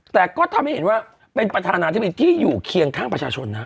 แต่ก็ทำให้เห็นว่าเป็นประธานาธิบดีที่อยู่เคียงข้างประชาชนนะ